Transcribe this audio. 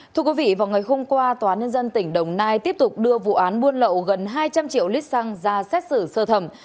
thưa quý vị vào ngày hôm qua tòa nhân dân tỉnh đồng nai tiếp tục đưa vụ án buôn lậu gần hai trăm linh triệu lít xăng ra xét xử sơ thẩm